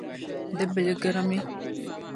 Di biligirimi.